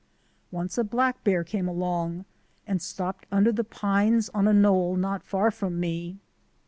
Once a black bear came along and stopped under the pines on a knoll not far from me.